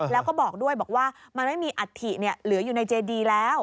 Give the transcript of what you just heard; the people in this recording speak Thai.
แล้วก็บอกด้วยบอกว่ามันไม่มีอัฐิเหลืออยู่ในเจดีแล้ว